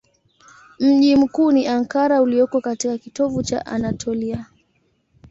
Mji mkuu ni Ankara ulioko katika kitovu cha Anatolia.